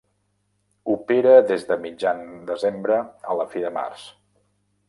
Opera des de mitjan desembre a la fi de març.